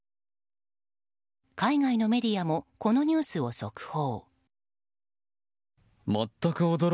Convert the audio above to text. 海外のメディアもこのニュースを速報。